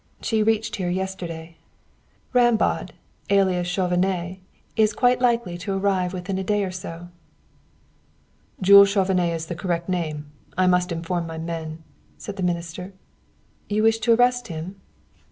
She reached here yesterday; and Rambaud, alias Chauvenet, is quite likely to arrive within a day or so." "Jules Chauvenet is the correct name. I must inform my men," said the minister. "You wish to arrest him?"